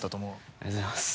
ありがとうございます。